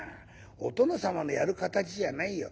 お殿様のやる形じゃないよ。